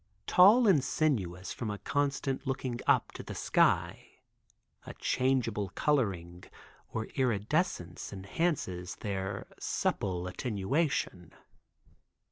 Tall and sinuous from a constant looking up to the sky. A changeable coloring or iridescence enhances their supple attenuation.